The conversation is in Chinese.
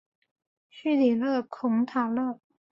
叙里勒孔塔勒。